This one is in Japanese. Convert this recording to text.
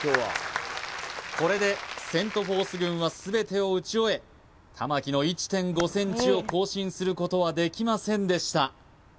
これでセント・フォース軍は全てをうち終え玉木の１．５ｃｍを更新することはできませんでした